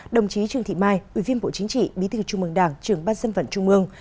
đồng chí trương thị mai ủy viên bộ chính trị bí thư trung mương đảng trưởng ban dân vận trung mương